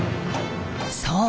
そう。